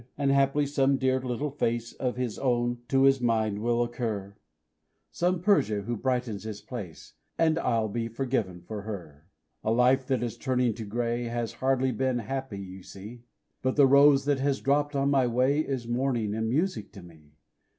And haply some dear little face Of his own to his mind will occur Some Persia who brightens his place And I'll be forgiven for her. A life that is turning to grey Has hardly been happy, you see; But the rose that has dropped on my way Is morning and music to me.